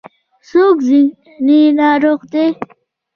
څوک ذهني ناروغ دی.